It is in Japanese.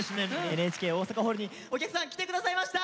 ＮＨＫ大阪ホールにお客さん来て下さいました！